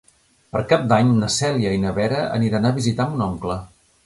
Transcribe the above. Per Cap d'Any na Cèlia i na Vera aniran a visitar mon oncle.